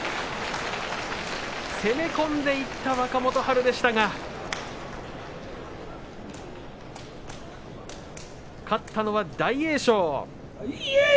攻め込んでいったのは若元春でしたが勝ったのは大栄翔。